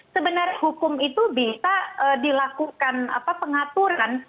sebenarnya hukum itu bisa dilakukan pengaturan